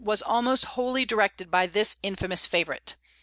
was almost wholly directed by this infamous favorite.